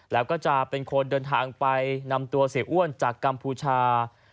แล้วก็จะเป็นคนเดินทางไปนำตัวเสียอ้วนจากกัมพูชา